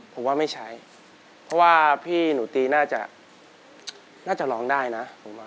ผมว่าไม่ใช้เพราะว่าพี่หนูตีน่าจะน่าจะร้องได้นะผมว่า